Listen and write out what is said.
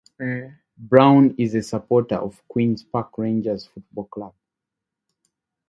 Browne is a supporter of Queens Park Rangers Football Club.